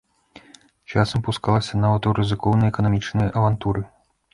Часам пускалася нават у рызыкоўныя эканамічныя авантуры.